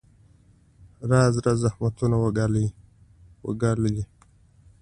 راز راز زحمتونه وګاللې.